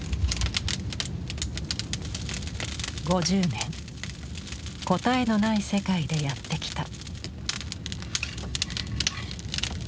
５０年答えのない世界でやってきた。